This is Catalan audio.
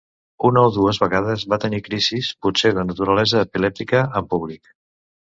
Una o dues vegades va tenir crisis, potser de naturalesa epilèptica, en públic.